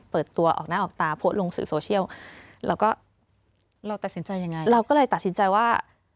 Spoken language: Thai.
เราตัดสินใจยังไงเราก็เลยตัดสินใจว่า